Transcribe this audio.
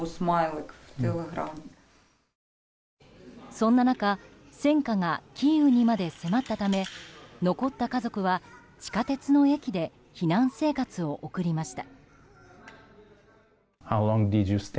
そんな中、戦火がキーウにまで迫ったため残った家族は地下鉄の駅で避難生活を送りました。